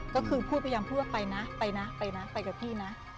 ก็คือพูดพยายามพูดว่าไปนะไปนะไปนะไปกับพี่นะ